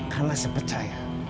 karena saya percaya